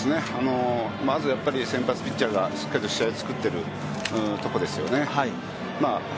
まず先発ピッチャーがしっかりと試合を作っているところですよね。